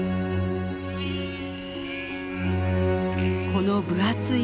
この分厚い